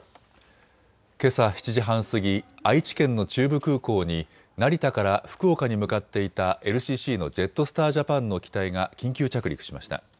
けさ７時半過ぎ、愛知県の中部空港に成田から福岡に向かっていたＬＣＣのジェットスター・ジャパンの機体が緊急着陸しました。